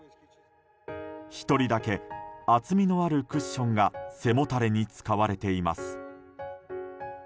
１人だけ厚みのあるクッションが背もたれに使われています。